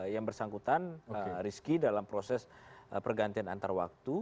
yang bersangkutan rizky dalam proses pergantian antar waktu